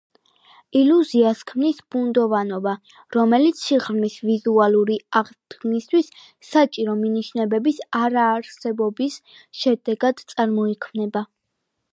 ილუზიას ქმნის ბუნდოვანება, რომელიც სიღრმის ვიზუალური აღქმისთვის საჭირო მინიშნებების არარსებობის შედეგად წარმოიქმნება.